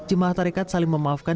jemaah tarikat saling memaafkan